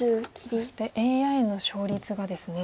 そしてＡＩの勝率がですね